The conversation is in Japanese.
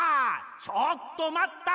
ちょっとまった！